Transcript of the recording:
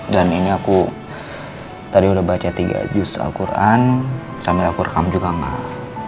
dan ini aku tadi udah baca tiga juz' al quran sambil aku rekam juga enggak